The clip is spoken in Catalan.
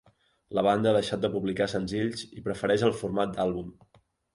La banda ha deixat de publicar senzills i prefereix el format d'àlbum.